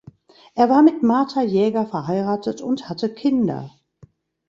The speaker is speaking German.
Er war mit Martha Jaeger verheiratet und hatte Kinder.